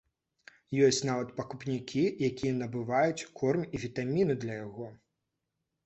Ёсць нават пакупнікі, якія набываюць корм і вітаміны для яго.